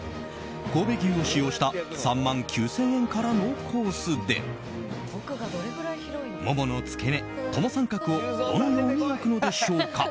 神戸牛を使用した３万９０００円からのコースでモモの付け根、トモサンカクをどのように焼くのでしょうか？